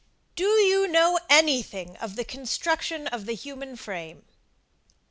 Do you know any thing of the construction of the human frame?